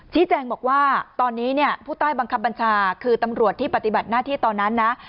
แจ้งบอกว่าตอนนี้เนี่ยผู้ใต้บังคับบัญชาคือตำรวจที่ปฏิบัติหน้าที่ตอนนั้นนะ